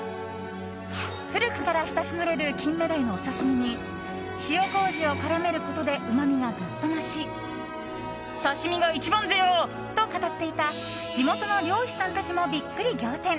古くから親しまれるキンメダイのお刺し身に塩麹を絡めることでうまみがぐっと増し刺し身が一番ぜよ！と語っていた地元の漁師さんたちもビックリ仰天。